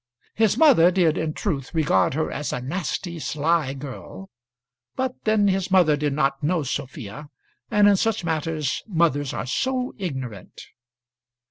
His mother did in truth regard her as a nasty, sly girl; but then his mother did not know Sophia, and in such matters mothers are so ignorant!